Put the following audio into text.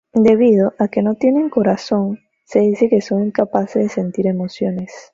Debido a que no tienen corazón, se dice que son incapaces de sentir emociones.